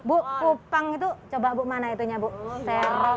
bu kupang itu coba manah iatunya bu moro